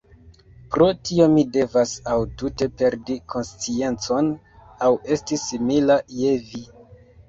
Pro tio mi devas aŭ tute perdi konsciencon, aŭ esti simila je vi.